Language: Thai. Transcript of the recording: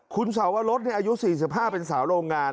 คุณชาวว่ารถเนี่ยอายุ๔๕เป็นสาวโรงงาน